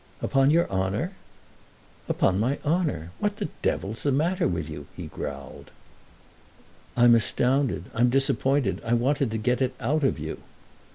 "Upon your honour?" "Upon my honour. What the devil's the matter with you?" he growled. "I'm astounded—I'm disappointed. I wanted to get it out of you."